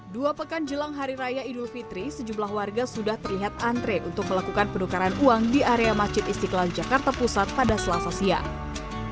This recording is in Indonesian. dua pekan jelang hari raya idul fitri sejumlah warga sudah terlihat antre untuk melakukan penukaran uang di area masjid istiqlal jakarta pusat pada selasa siang